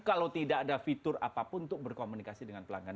kalau tidak ada fitur apapun untuk berkomunikasi dengan pelanggan